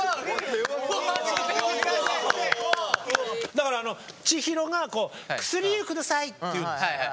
だからあの千尋が「薬湯ください！」って言うんです。